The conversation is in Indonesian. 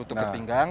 untuk ke pinggang